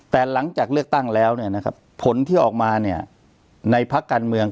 แต่หลังจากเลือกตั้งแล้วผลที่ออกมาเนี่ยในพักการเมือง